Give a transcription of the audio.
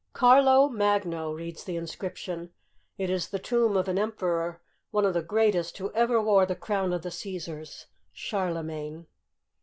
" Carlo Magno," reads the inscription. It is the tomb of an emperor, one of the greatest who ever wore the crown of the Caesars — Charlemagne!